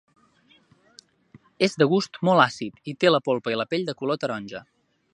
És de gust molt àcid i té la polpa i la pell de color taronja.